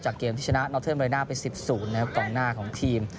เกมที่ชนะนอทเทิร์นเรน่าไป๑๐นะครับกองหน้าของทีม